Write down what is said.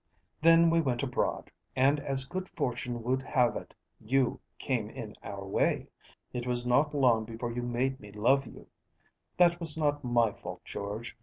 Then we went abroad, and as good fortune would have it you came in our way. It was not long before you made me love you. That was not my fault, George.